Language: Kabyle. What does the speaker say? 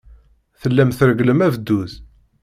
Tellam tregglem abduz.